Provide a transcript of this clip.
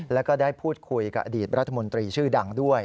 แล้วก็ได้พูดคุยกับอดีตรัฐมนตรีชื่อดังด้วย